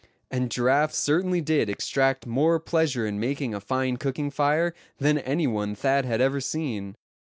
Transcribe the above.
And Giraffe certainly did extract more pleasure in making a fine cooking fire than any one Thad had ever seen.